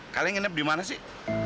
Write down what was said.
kalian nginep di mana sih